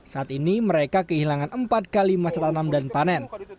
saat ini mereka kehilangan empat kali masa tanam dan panen